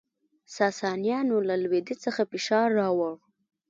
ساسانیانو له لویدیځ څخه فشار راوړ